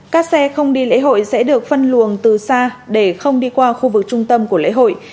các xe không đi lễ hội sẽ được phân luồng từ xa để không đi qua khu vực trung tâm của lễ hội